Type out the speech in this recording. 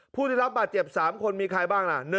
ผู้ได้รับบาดเจ็บ๓คนมีใครบ้างล่ะ